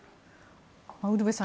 ウルヴェさん